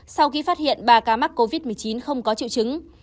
sau khi phát hiện ba ca mắc covid một mươi chín không có triệu chứng